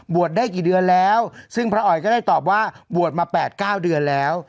ได้กี่เดือนแล้วซึ่งพระอ๋อยก็ได้ตอบว่าบวชมา๘๙เดือนแล้ว